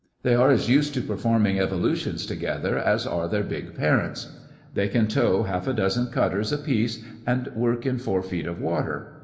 They are as used to performing evolutions together as are their big parents. They can tow half a dozen cutters a piece and work in four feet of water.